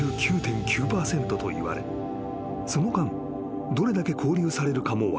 ［その間どれだけ勾留されるかも分からない］